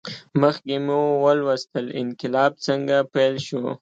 مخکې مو ولوستل انقلاب څنګه پیل شو.